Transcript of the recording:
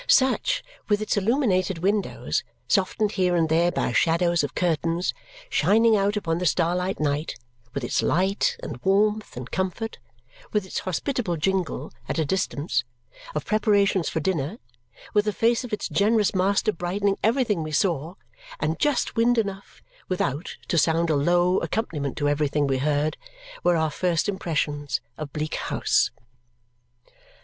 Such, with its illuminated windows, softened here and there by shadows of curtains, shining out upon the starlight night; with its light, and warmth, and comfort; with its hospitable jingle, at a distance, of preparations for dinner; with the face of its generous master brightening everything we saw; and just wind enough without to sound a low accompaniment to everything we heard, were our first impressions of Bleak House.